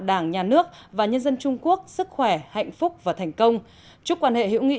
đảng nhà nước và nhân dân trung quốc sức khỏe hạnh phúc và thành công chúc quan hệ hữu nghị